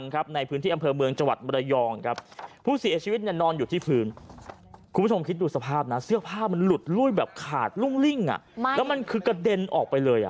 แล้วมันคือกระเด็นออกไปเลย